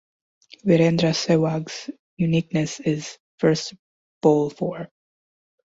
Virendra Sehwag's uniqueness is first bowl four.